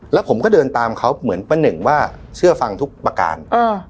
แล้วผมก็เดินตามเขาเหมือนป้าหนึ่งว่าเชื่อฟังทุกประการ